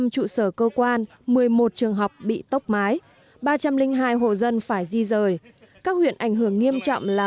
một mươi trụ sở cơ quan một mươi một trường học bị tốc mái ba trăm linh hai hộ dân phải di rời các huyện ảnh hưởng nghiêm trọng là